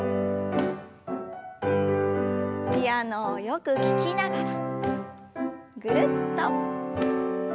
ピアノをよく聞きながらぐるっと。